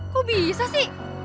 kok bisa sih